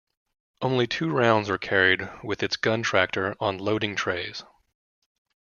Only two rounds are carried with its gun tractor on "loading trays".